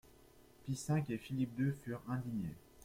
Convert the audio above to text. Pie cinq et Philippe deux furent indignés.